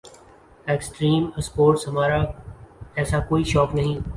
extreme sports ہمارا ایسا کوئی شوق نہیں